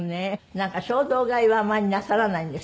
なんか衝動買いはあまりなさらないんですって？